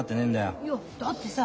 いやだってさ